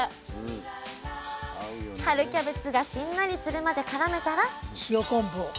春キャベツがしんなりするまでからめたら塩昆布を。